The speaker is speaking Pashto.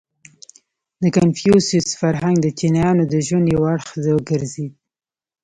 • د کنفوسیوس فرهنګ د چینایانو د ژوند یو اړخ وګرځېد.